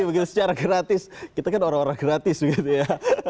begitu secara gratis kita kan orang orang gratis begitu ya